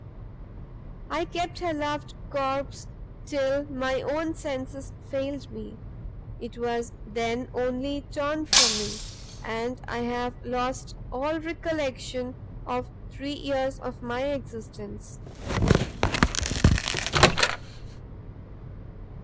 "I kept her loved corpse till my own senses failed me, it was then only torn from me, and I have lost all recollection of three years of my existence!"